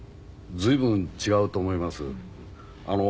随分違うと思います。